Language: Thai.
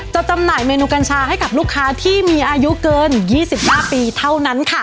จำหน่ายเมนูกัญชาให้กับลูกค้าที่มีอายุเกิน๒๕ปีเท่านั้นค่ะ